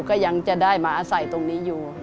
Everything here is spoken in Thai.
ก็ยังจะได้มาอาศัยตรงนี้อยู่